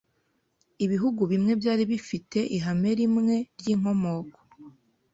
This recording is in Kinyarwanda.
ibihugu bimwe byari bifite ihame rimwe ryinkomoko